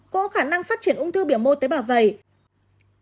cũng có khả năng phát triển ung thư biểu mô tế bảo vẩy